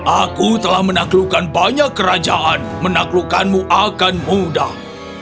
aku telah menaklukkan banyak kerajaan menaklukkanmu akan mudah